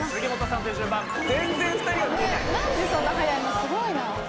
すごいな。